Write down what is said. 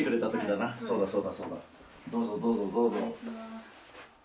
どうぞどうぞどうぞ。